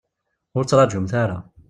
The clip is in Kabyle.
Ur ttraǧumt ara.